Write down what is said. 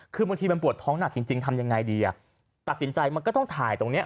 คือบางทีมันปวดท้องหนักจริงทำยังไงดีอ่ะตัดสินใจมันก็ต้องถ่ายตรงนี้